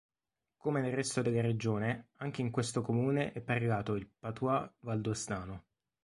Come nel resto della regione, anche in questo comune è parlato il "patois" valdostano.